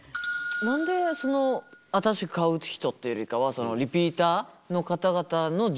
何でその新しく買う人っていうよりかはリピーターの方々の重視になってるんですか？